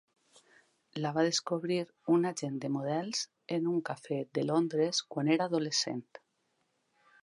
La va descobrir un agent de models en un cafè de Londres quan era adolescent.